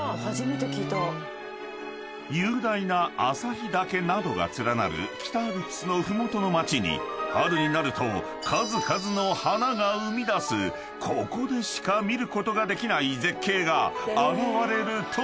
［雄大な朝日岳などが連なる北アルプスの麓の町に春になると数々の花が生み出すここでしか見ることができない絶景が現れるというのだ］